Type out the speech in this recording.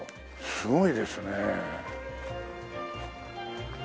すごいですね。